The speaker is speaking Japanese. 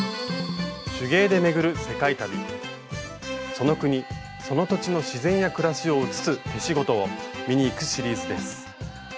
その国その土地の自然や暮らしをうつす手仕事を見に行くシリーズです。